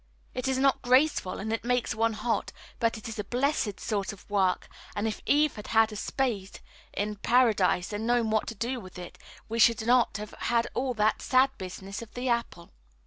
It is not graceful, and it makes one hot; but it is a blessed sort of work, and if Eve had had a spade in Paradise and known what to do with it, we should not have had all that sad business of the apple.